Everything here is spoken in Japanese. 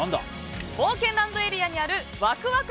冒険ランドエリアにあるワクワク！